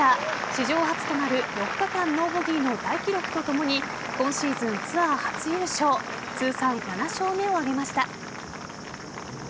史上初となる４日間ノーボギーの大記録とともに今シーズンツアー初優勝通算７勝目を挙げました。